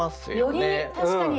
より確かに！